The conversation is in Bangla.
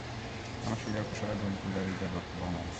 আমার শিরা-উপশিরায় বনু কুরাইযার রক্ত বহমান।